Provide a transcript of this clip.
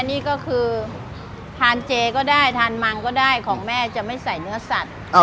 นี่ทานเจก็ได้ทานมังค์ก็ได้แต่ไม่ใส่เนื้อสัตว์